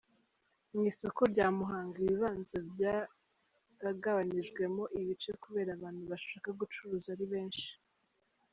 Mu isoko rya Muhanga ibibanza byaragabanyijwemo ibice kubera abantu bashaka gucuruza ari benshi.